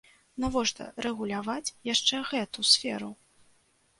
Навошта рэгуляваць яшчэ гэту сферу?